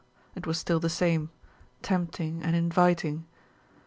It was still the same tempting and inviting.